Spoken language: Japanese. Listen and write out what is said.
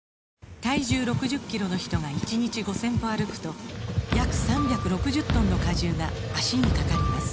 体重６０キロの人が１日５０００歩歩くと約３６０トンの荷重が脚にかかります